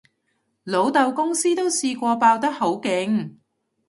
老豆公司都試過爆得好勁